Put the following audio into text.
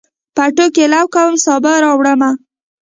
پټوکي لو کوم، سابه راوړمه